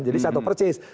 jadi saya tahu persis